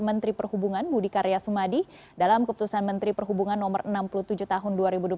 menteri perhubungan budi karya sumadi dalam keputusan menteri perhubungan no enam puluh tujuh tahun dua ribu dua puluh satu